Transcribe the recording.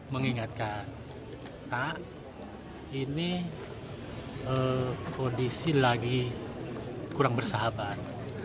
mengingatkan pak ini kondisi lagi kurang bersahabat